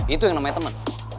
itu yang namanya temen